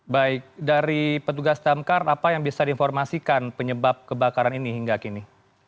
baik dari petugas damkar apa yang bisa diinformasikan penyebab kebakaran ini hingga kini